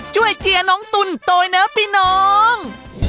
ช่วยเจียน้องตุ๋นต่อยเนอะพี่น้อง